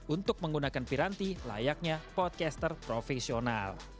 untuk menggunakan piranti layaknya podcaster profesional